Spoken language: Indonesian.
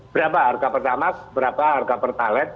berapa harga pertamax berapa harga pertalite